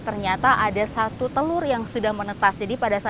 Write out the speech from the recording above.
ternyata ada satu telur yang sudah menetas